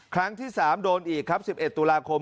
ครั้งที่๓โดนอีกครับ๑๑ตุลาคม